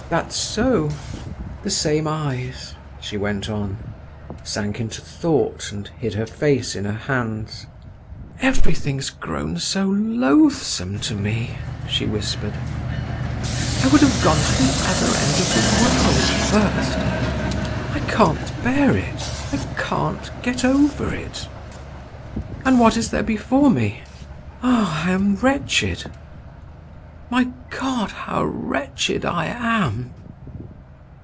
"That's so. The same eyes,"—she went on; sank into thought, and hid her face in her hands. "Everything's grown so loathsome to me," she whispered, "I would have gone to the other end of the world first—I can't bear it, I can't get over it…. And what is there before me!… Ah, I am wretched…. My God, how wretched I am!"